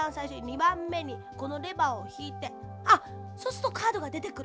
２ばんめにこのレバーをひいてあっそうするとカードがでてくる。